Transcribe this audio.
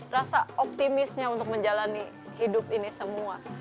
rasa optimisnya untuk menjalani hidup ini semua